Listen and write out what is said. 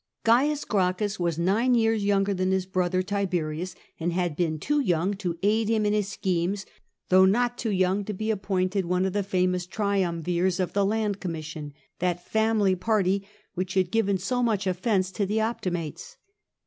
Gains Gracchus was nine years younger than his brother Tiberius, an 3 rKa 315 een too young to aid him in his schemes, though not too young to be appointed one of the famous triumvirs of the Land Commission — that family party which had given so much offence to the Optimates.